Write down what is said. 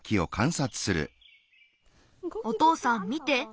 おとうさん見て。